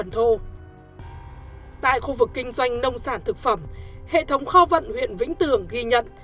tại khu vực kinh doanh nông sản thực phẩm hệ thống kho vận huyện vĩnh tường ghi nhận